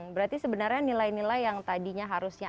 berarti sebenarnya nilai nilai yang tadinya harusnya